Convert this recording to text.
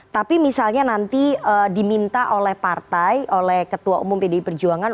tapi misalnya nanti diminta oleh partai oleh ketua umum pdi perjuangan